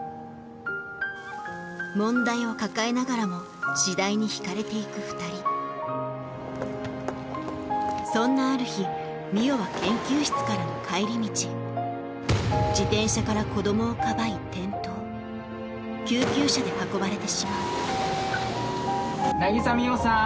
問題を抱えながらも次第に惹かれて行く２人そんなある日海音は研究室からの帰り道自転車から子供をかばい転倒救急車で運ばれてしまう渚海音さん。